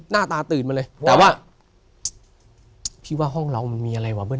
หน้าตาตื่นมาเลยแต่ว่าพี่ว่าห้องเรามันมีอะไรวะเบิ